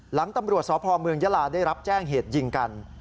หลังตำรวจสพเมืองยาลาได้รับแจ้งเหตุยิงกัน